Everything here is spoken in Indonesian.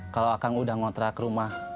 kalau kang udah ngontrak rumah